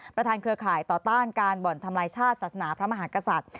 เครือข่ายต่อต้านการบ่อนทำลายชาติศาสนาพระมหากษัตริย์